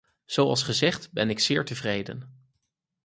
Zoals gezegd ben ik zeer tevreden.